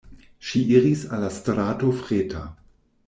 Ŝi iris al la strato Freta.